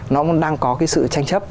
nó đang có cái sự tranh chấp